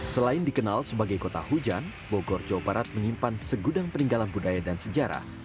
selain dikenal sebagai kota hujan bogor jawa barat menyimpan segudang peninggalan budaya dan sejarah